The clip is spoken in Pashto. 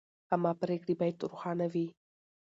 عامه پریکړې باید روښانه وي.